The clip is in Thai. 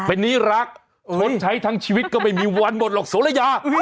เป็นนี้รักคนใช้ทั้งชีวิตก็ไม่มีวันหมดหรอกโสระยา